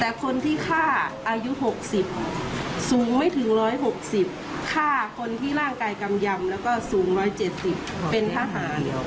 แต่คนที่ฆ่าอายุ๖๐สูงไม่ถึง๑๖๐ฆ่าคนที่ร่างกายกำยำแล้วก็สูง๑๗๐เป็นทหาร